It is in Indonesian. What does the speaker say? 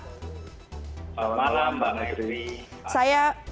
selamat malam mbak mary